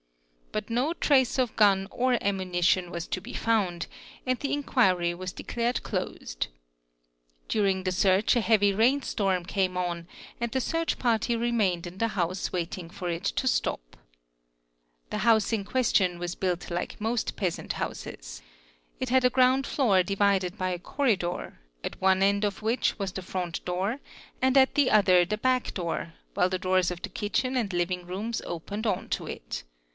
t no trace of gun or ammunition was to be found, and the inquiry was ared closed. During the search a heavy rainstorm came on and the ich party remained in the house waiting for it to stop. The house in 142 INSPECTION OF LOCALITIES question was built like most peasant houses. It had a ground floor divided by a corridor, at one end of which was the front door and at the other the back door, while the doors of the kitchen and living rooms opened or to it.